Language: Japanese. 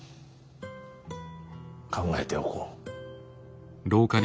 考えておこう。